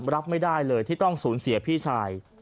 รับไม่ได้เลยที่ต้องสูญเสียพี่ชาย